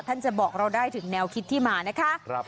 จะบอกเราได้ถึงแนวคิดที่มานะคะ